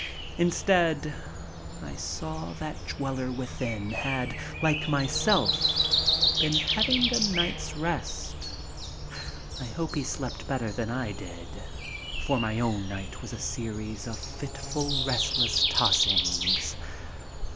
Instead, I saw that the dweller within had, like myself, been having a night's rest. I hope he slept better than I did, for my own night was a series of fitful, restless tossings.